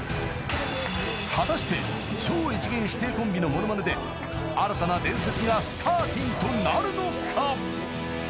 ［果たして超異次元師弟コンビのモノマネで新たな伝説がスターティンとなるのか⁉］